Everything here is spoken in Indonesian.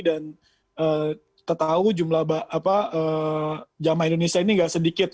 dan kita tahu jumlah jamaah indonesia ini tidak sedikit